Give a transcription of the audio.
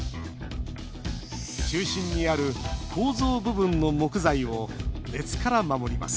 中心にある構造部分の木材を熱から守ります。